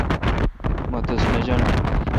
مہ تس نہ جانو۔